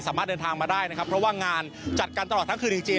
สามารถเดินทางมาได้นะครับเพราะว่างานจัดการตลอดทั้งคืนจริง